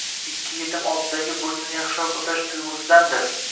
ikki yetim oldidagi burchini yaxshiroq o'tash tuyg'usidandir